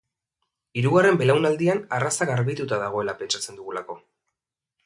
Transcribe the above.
Hirugarren belaunaldian arraza garbituta dagoela pentsatzen dugulako.